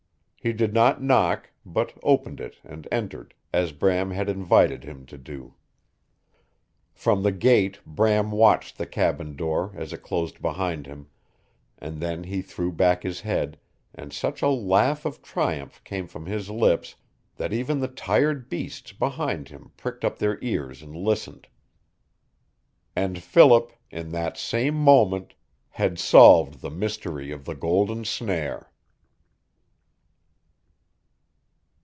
He did not knock, but opened it and entered, as Bram had invited him to do. From the gate Bram watched the cabin door as it closed behind him, and then he threw back his head and such a laugh of triumph came from his lips that even the tired beasts behind him pricked up their ears and listened. And Philip, in that same moment, had solved the mystery of the golden snare.